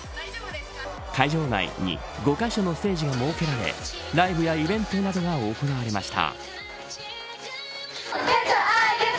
会場内に５カ所のステージが設けられライブやイベントなどが行われました。